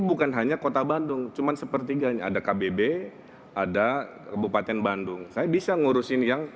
bukan hanya kota bandung cuman sepertiganya ada kbb ada kabupaten bandung saya bisa ngurusin yang